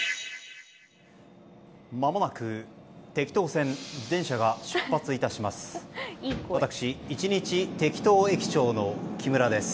まもなく、てきと線電車が出発いたします。